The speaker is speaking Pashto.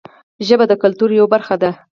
ژبه د کلتور یوه برخه ده